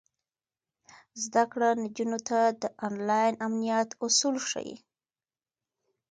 زده کړه نجونو ته د انلاین امنیت اصول ښيي.